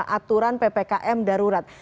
aturan ppkm darurat